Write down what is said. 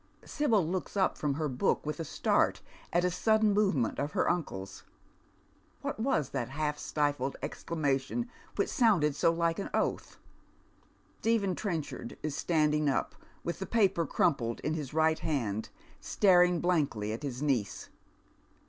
Sibyl looks up from her book with a start at a sudden move ment of her uncle's. What ^vas that half stifled exclamation which sounded so like an oath ? Stephen Trenchard is standing up, with the paper crumpled in his right hand, staring blankly at his niece.